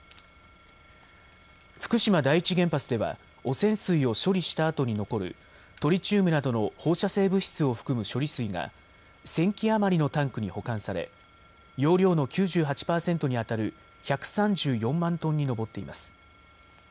福島第一原発では汚染水を処理したあとに残るトリチウムなどの放射性物質を含む処理水が１０００基余りのタンクに保管され容量の９８％にあたる１３４万トンに上っています。